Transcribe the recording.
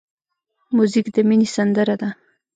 موزیک د مینې سندره ده.